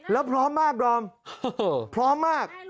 แล้วพร้อมมากพร้อมครับ